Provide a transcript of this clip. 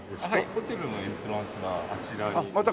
ホテルのエントランスはあちらになりまして。